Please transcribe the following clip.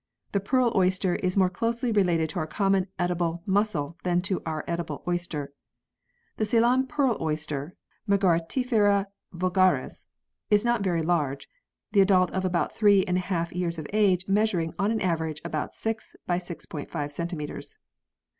The pearl oyster is more closely related to our common edible mussel than to our edible oyster. The Ceylon pearl oyster (Margaritifera vulgaris) is not very large, the adult of about three and a half years of age measuring, on an average, about 7 by 6*5 centimetres.